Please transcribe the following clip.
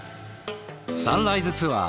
サンライズツアー